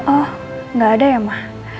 oh gak ada ya ma